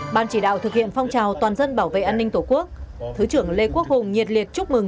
ban chỉ đạo thực hiện phong trào toàn dân bảo vệ an ninh tổ quốc thứ trưởng lê quốc hùng nhiệt liệt chúc mừng